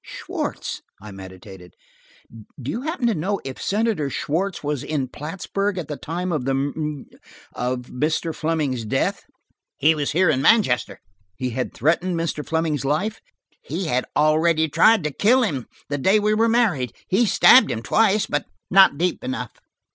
"Schwartz?" I meditated. "Do you happen to know if Senator Schwartz was in Plattsburg at the time of the mur–of Mr. Fleming's death?" "He was here in Manchester." "He had threatened Mr. Fleming's life?" "He had already tried to kill him, the day we were married. He stabbed him twice, but not deep enough."